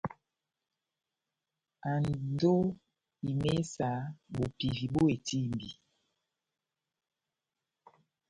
Ando ó imésa bopivi bó etímbi.